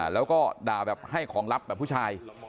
แล้วก็ด่าแบบให้ของลับแบบผู้ชาย